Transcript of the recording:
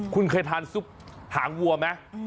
คุณเคยทานซุปหางวัวไหม